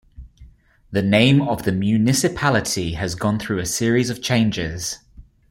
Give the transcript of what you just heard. The name of the municipality has gone through a series of changes.